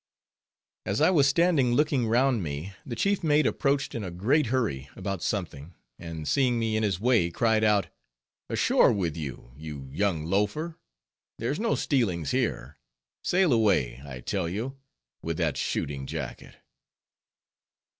As I was standing looking round me, the chief mate approached in a great hurry about something, and seeing me in his way, cried out, "Ashore with you, you young loafer! There's no stealings here; sail away, I tell you, with that shooting jacket!"